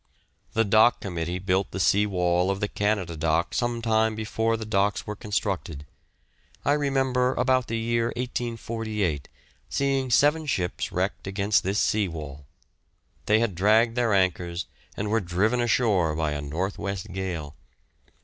The Dock Committee built the sea wall of the Canada dock some time before the docks were constructed. I remember about the year 1848 seeing seven ships wrecked against this sea wall; they had dragged their anchors and were driven ashore by a north west gale.